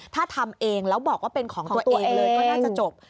ถ้าทำเองแล้วบอกว่าเป็นของตัวเองเลยก็น่าจะจบ